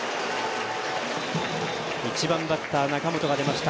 １番バッター、中本が出ました。